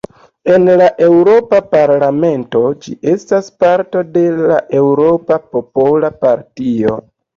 En la Eŭropa Parlamento ĝi estas parto de la Eŭropa Popola Partio.